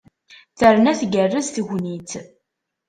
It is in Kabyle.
Terna tgerrez tegnit!